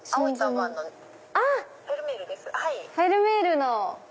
あっフェルメールの。